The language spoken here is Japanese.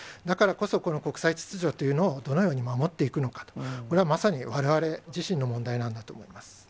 だからこそ、この国際秩序というのをどのように守っていくのかと、これはまさにわれわれ自身の問題なんだと思います。